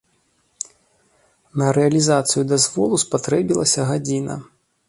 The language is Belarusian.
На рэалізацыю дазволу спатрэбілася гадзіна.